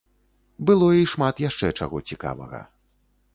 Было і шмат яшчэ чаго цікавага.